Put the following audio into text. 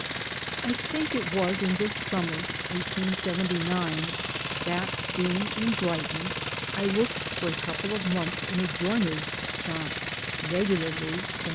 I think it was in this summer that being at Brighton, I worked for a couple of months in a joiner's shop 1 , regularly, from 6.